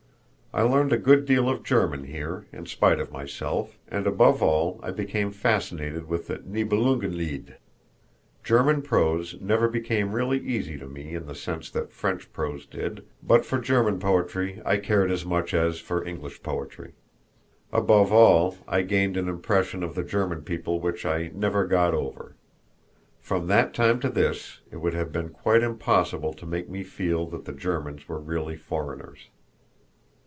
I learned a good deal of German here, in spite of myself, and above all I became fascinated with the Nibelungenlied. German prose never became really easy to me in the sense that French prose did, but for German poetry I cared as much as for English poetry. Above all, I gained an impression of the German people which I never got over. From that time to this it would have been quite impossible to make me feel that the Germans were really foreigners.